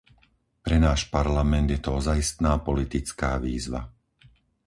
Pre náš Parlament je to ozajstná politická výzva.